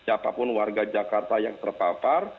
siapapun warga jakarta yang terpapar